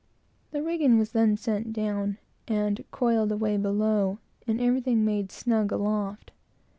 The rigging was then sent down and coiled away below, and everything was made snug aloft.